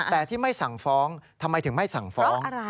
แต่ที่ไม่สั่งฟ้องทำไมถึงไม่สั่งฟ้อง